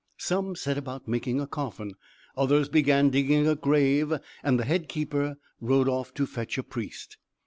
Some set about making a coffin, others began digging a grave, and the head keeper rode off to fetch a priest.